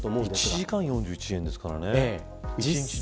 １時間４１円ですからね。